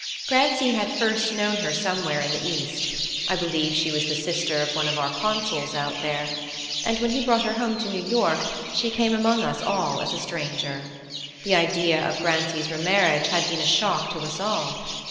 Grancy had first known her somewhere in the East I believe she was the sister of one of our consuls out there and when he brought her home to New York she came among us as a stranger. The idea of Grancy's remarriage had been a shock to us all.